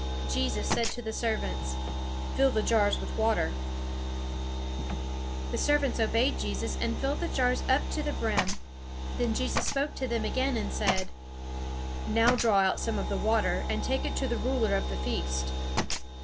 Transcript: Jesus said to the servants: "Fill the jars with water." [Illustration: "Fill the jars with water"] The servants obeyed Jesus, and filled the jars up to the brim. Then Jesus spoke to them again, and said: "Now draw out some of the water, and take it to the ruler of the feast."